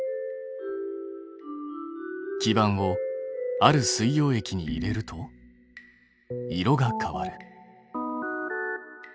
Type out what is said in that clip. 基板をある水溶液に入れると色が変わる。